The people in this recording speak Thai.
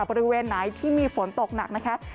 บริเวณไหนที่มีฝนตกหนักนะคะ